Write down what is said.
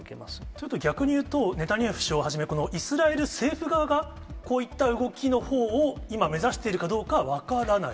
ちょっと逆に言うと、ネタニヤフ首相をはじめ、イスラエル政府側がこういった動きのほうを、今、目指しているかどうかは分からない。